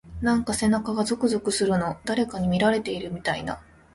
なんか背中がゾクゾクするの。誰かに見られてるみたいな…。